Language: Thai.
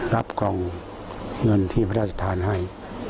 รับกล่องเงินที่พระราชทานให้